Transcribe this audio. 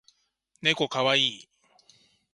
ねこかわいい